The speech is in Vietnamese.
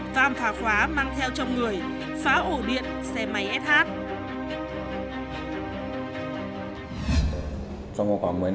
trong khoảng một mươi năm giây là lên điện